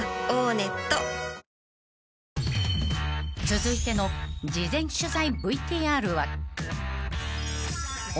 ［続いての事前取材ＶＴＲは］